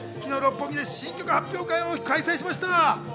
昨日、六本木で新曲発表会を開催しました。